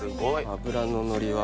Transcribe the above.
脂ののりは。